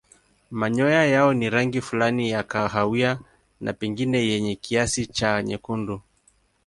Manyoya yao ni rangi fulani ya kahawia na pengine yenye kiasi cha nyekundu.